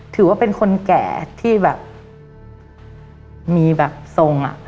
ถือว่าเป็นคนแก่ที่แบบมีแบบทรงอ่ะ